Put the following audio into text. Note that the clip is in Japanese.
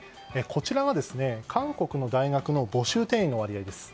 こちらは韓国の大学の募集定員の割合です。